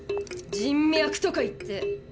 「人脈」とか言って。